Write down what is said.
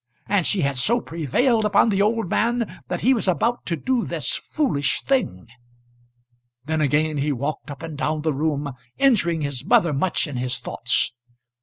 And she had so prevailed upon the old man that he was about to do this foolish thing! Then again he walked up and down the room, injuring his mother much in his thoughts.